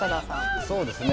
そうですね。